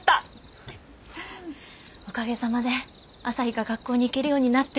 おかげさまで朝陽が学校に行けるようになって。